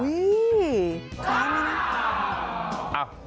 อียยคล้ายพญาหน้า